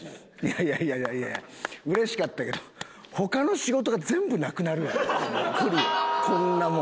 いやいやいやいやうれしかったけど他の仕事が全部なくなるやんこんなもん。